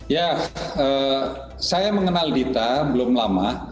ya saya mengenal dita belum lama